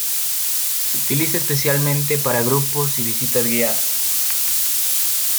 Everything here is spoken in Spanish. Se utiliza especialmente para grupos y visitas guiadas.